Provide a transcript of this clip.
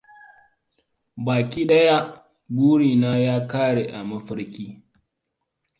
Baki daya burina ya kare a mafarki.